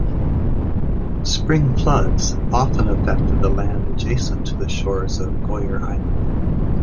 Spring floods often affected the land adjacent to the shores of Goyer Island.